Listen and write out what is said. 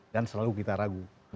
dan selalu kita ragu